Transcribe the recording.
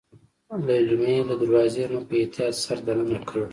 ليلما له دروازې نه په احتياط سر دننه کړ.